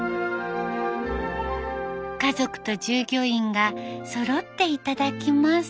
家族と従業員がそろって頂きます。